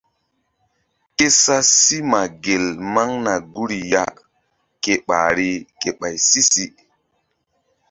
Ke sa sí ma gel maŋna guri ya ke ɓahri ke ɓay si-si.